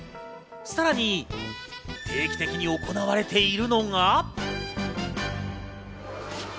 さらに、定期的に行われているのが。